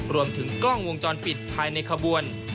รวมถึงกล้องวงจรปิดภายในขบวน